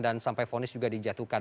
dan sampai fonis juga dijatuhkan